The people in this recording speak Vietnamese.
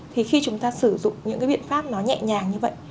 thì khi chúng ta sử dụng những cái biện pháp nó nhẹ nhàng như vậy